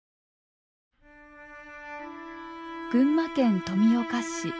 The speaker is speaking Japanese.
群馬県富岡市。